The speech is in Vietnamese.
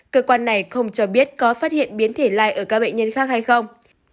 cơ quan này không cho biết có phát hiện biến thể lai ở các bệnh nhân khác hay không